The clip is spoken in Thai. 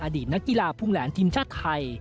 อดีตนักกีฬาพุงแหลนทีมชาติไทย